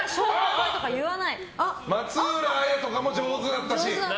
松浦亜弥とかも上手だったし。